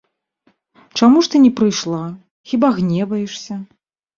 Чаму ж ты не прыйшла, хіба гневаешся?